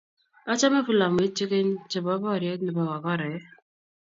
achame filamuit che keny che bo boriet ne bo wakorae.